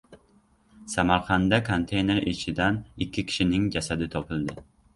Samarqandda konteyner ichidan ikki kishining jasadi topildi